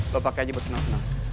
lo pake aja buat seneng seneng